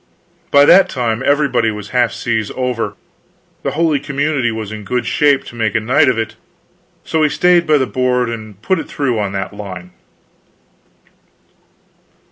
By the time everybody was half seas over, the holy community was in good shape to make a night of it; so we stayed by the board and put it through on that line.